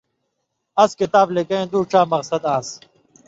اَس کِتاب لِکئیں دُوڇا مقاصِد آن٘سیۡ۔